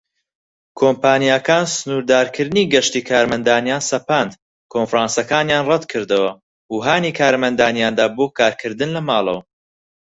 کۆمپانیاکان سنوردارکردنی گەشتی کارمەندانیان سەپاند، کۆنفرانسەکانیان ڕەتکردەوە، و هانی کارمەندانیاندا بۆ کارکردن لە ماڵەوە.